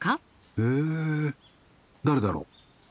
へえ誰だろう？